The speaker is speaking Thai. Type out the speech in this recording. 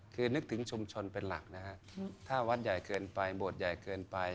คือนึกถึงชุมชนเป็นหลักนะฮะถ้าวัดใหญ่เกินไปโบสถ์ใหญ่เกินไป